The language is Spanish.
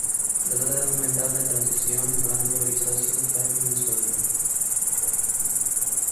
Se trata de un metal de transición blanco grisáceo, frágil y sólido.